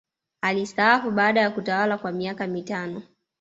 alistaafu baada ya kutawalakwa miaka mitano